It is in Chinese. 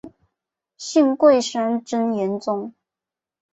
信贵山真言宗。